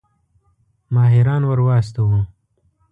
ماهران ورواستوو.